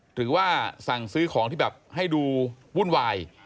หรือว่าสั่งซื้อของที่แบบให้ดูวุ่นวาย